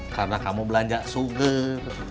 karena kamu belanja sugar